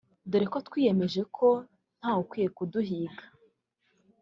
dore ko twiyemeje ko ntawe ukwiye kuduhiga